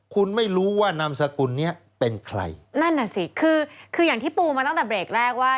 คุณไม่รู้ว่านามสกุลเนี้ยเป็นใครนั่นน่ะสิคือคืออย่างที่ปูมาตั้งแต่เบรกแรกว่า